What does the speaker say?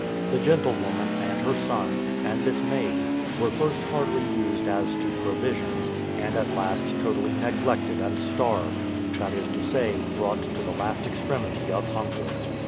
The gentlewoman, and her son, and this maid, were first hardly used as to provisions, and at last totally neglected and starved that is to say, brought to the last extremity of hunger.